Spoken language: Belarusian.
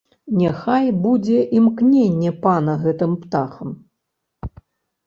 Няхай будзе імкненне пана гэтым птахам!